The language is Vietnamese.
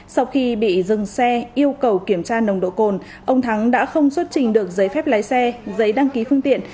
sau khi bị dừng xe yêu cầu kiểm tra nồng độ cồn ông thắng đã không xuất trình được giấy phép lái xe giấy đăng ký phương tiện